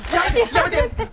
やめて！